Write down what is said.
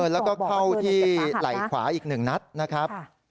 แล้วก็เข้าที่ไหล่ขวาอีก๑นัดนะครับ